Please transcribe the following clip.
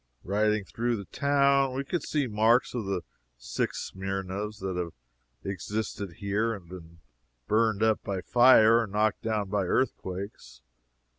Riding through the town, we could see marks of the six Smyrnas that have existed here and been burned up by fire or knocked down by earthquakes.